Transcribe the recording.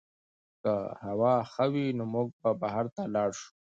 که هوا ښه وي نو موږ به بهر ته لاړ شو.